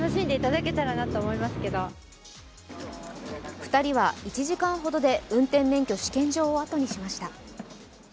２人は１時間ほどで運転免許試験場をあとにしました。